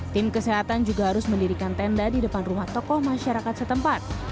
tim kesehatan juga harus mendirikan tenda di depan rumah tokoh masyarakat setempat